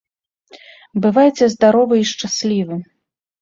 Бывайце здаровы і шчаслівы!